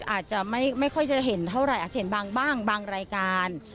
อาจจะไม่ค่อยจะเห็นเท่าไหร่อาจจะเห็นบางบ้างบางรายการ